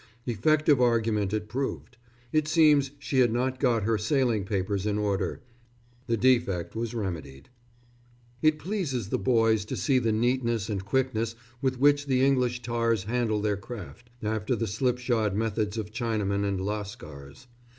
Effective argument it proved. It seems she had not got her sailing papers in order. The defect was remedied. [Illustration: To face p. 180. AUSTRALIANS LANDING UNDER FIRE.] It pleases the boys to see the neatness and quickness with which the English tars handle their craft, after the slipshod methods of Chinamen and Lascars.